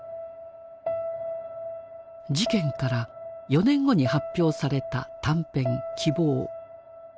事件から４年後に発表された短編「希望」。